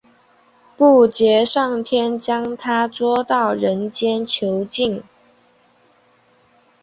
布杰上天将它捉到人间囚禁。